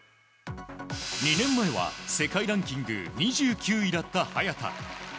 ２年前は世界ランキング２９位だった早田。